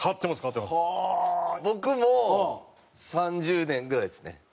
僕も３０年ぐらいですね。